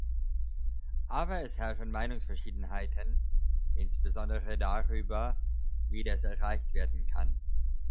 Aber es herrschen Meinungsverschiedenheiten, insbesondere darüber, wie das erreicht werden kann.